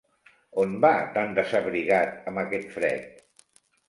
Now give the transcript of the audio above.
On va tan desabrigat, amb aquest fred?